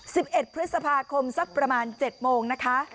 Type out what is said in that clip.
สิบเอ็ดพฤษภาคมสักประมาณเจ็ดโมงนะคะ